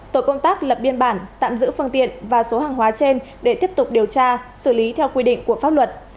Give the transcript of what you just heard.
tổ công tác lập biên bản tạm giữ phương tiện và số hàng hóa trên để tiếp tục điều tra xử lý theo quy định của pháp luật